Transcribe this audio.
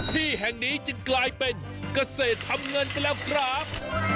ที่แห่งนี้จึงกลายเป็นเกษตรทำเงินไปแล้วครับ